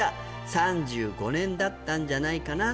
「３５年だったんじゃないかなと」